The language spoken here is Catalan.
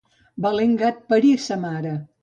Valent gat parí sa mare!